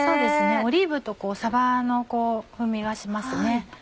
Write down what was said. オリーブとさばの風味がしますね。